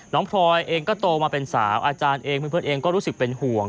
พลอยเองก็โตมาเป็นสาวอาจารย์เองเพื่อนเองก็รู้สึกเป็นห่วง